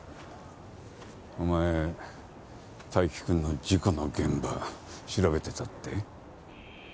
お前泰生君の事故の現場調べてたって？